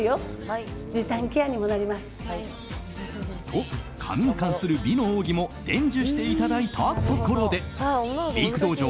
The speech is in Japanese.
と、髪に関する美の奥義も伝授していただいたところで美育道場